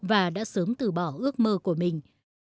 và đã sớm từ bỏ ước mơ của mình